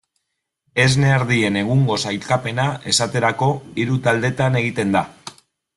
Esne ardien egungo sailkapena, esaterako, hiru taldetan egiten da.